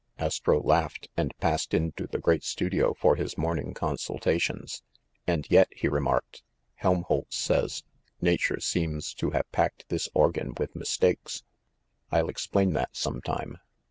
Astro laughed, and passed into the great studio for his morning consultations. "And yet," he remarked, "Helmholtz says, 'Nature seems to have packed this organ with mistakes/ I'll explain that sometime.